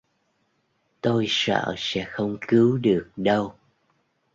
tôi sợ sẽ không cứu được đâu